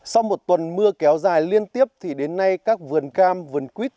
sau một tuần mưa kéo dài liên tiếp thì đến nay các vườn cam vườn quýt